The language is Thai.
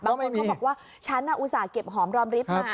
เขาบอกว่าฉันอุตส่าห์เก็บหอมรอมริฟต์มา